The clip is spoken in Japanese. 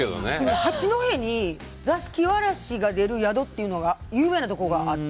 八戸に座敷わらしが出る宿という有名なところがあって。